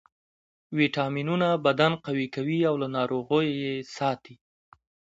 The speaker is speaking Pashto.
ویټامینونه بدن قوي کوي او له ناروغیو یې ساتي